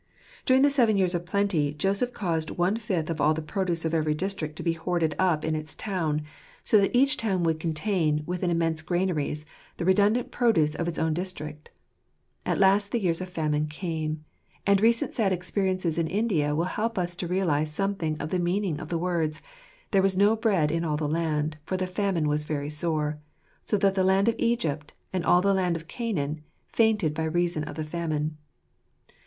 During the seven years of plenty, Joseph caused one fifth of all the produce of every district to be hoarded up %\jz ^eara of ITanttitc. 119 in its town ; so that each town would contain, within immense granaries, the redundant produce of its own district. At last the years of famine came. And recent sad experiences in India will help us to realize something of the meaning of the words :" There was no bread in all the land, for the famine was very sore ; so that the land of Egypt, and all the land of Canaan, fainted by reason of the famine."